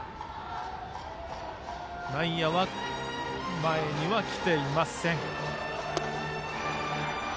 内野は前には来ていません。